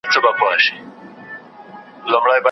استاد راته ویلي وو چي کره کتنه ډېره مهمه ده.